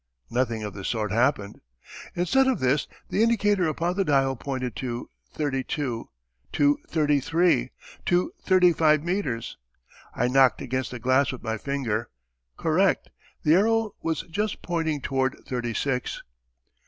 Nothing of the sort happened. Instead of this the indicator upon the dial pointed to 32 to 33 to 35 meters.... I knocked against the glass with my finger correct the arrow was just pointing toward thirty six.